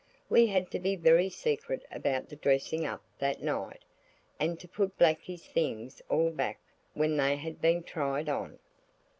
We had to be very secret about the dressing up that night, and to put Blakie's things all back when they had been tried on.